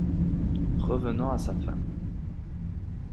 Revenant à sa femme.